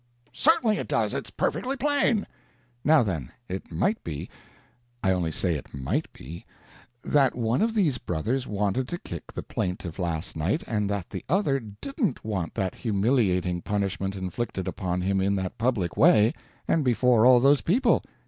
"Certainly it does. It's perfectly plain." "Now, then, it might be I only say it might be that one of these brothers wanted to kick the plaintiff last night, and that the other didn't want that humiliating punishment inflicted upon him in that public way and before all those people.